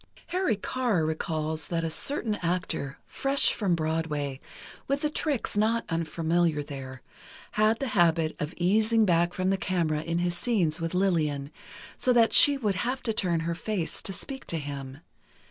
Harry Carr recalls that a certain actor, fresh from Broadway, with the tricks not unfamiliar there, had the habit of easing back from the camera in his scenes with Lillian, so that she would have to turn her face to speak to him.